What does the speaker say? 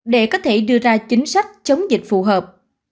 để có thể đưa ra chính sách chống dịch phù hợp